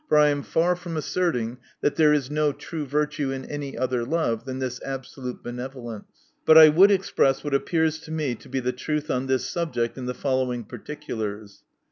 For I am far from asserting that there is no true virtue in any other love than this absolute benevolence. But I would express what appears to me to be the truth on this subject, in the following particulars.